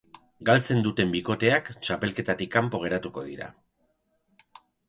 Galtzen duten bikoteak txapelketatik kanpo geratuko dira.